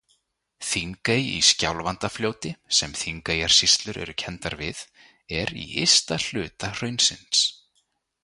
Þingey í Skjálfandafljóti, sem Þingeyjarsýslur eru kenndar við, er í ysta hluta hraunsins.